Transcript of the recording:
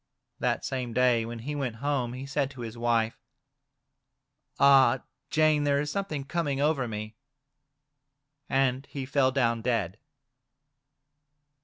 That same day, when he went home, he said to his wife: " Ah, Jane, there is something coming over me," and he fell down dead.